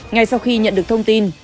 ngay sau khi nhận được thông tin